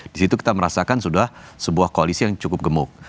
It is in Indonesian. di situ kita merasakan sudah sebuah koalisi yang cukup gemuk